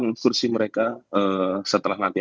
harusnya kondisi mereka setelah nanti